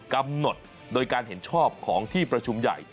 กำหนดโดยการเห็นชอบของที่ประชุมใหญ่